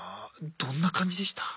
どんな感じでした？